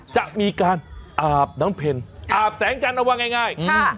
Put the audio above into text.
จะมีการอาบน้ำเพ็ญอาบแสงจันทร์เอาว่าง่าย